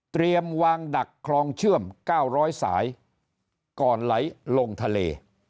วางดักคลองเชื่อม๙๐๐สายก่อนไหลลงทะเล